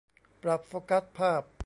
ปรับโฟกัสภาพ